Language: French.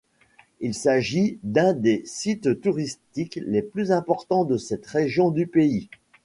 Il s'agit d'un des sites touristiques les plus importants de cette région du pays.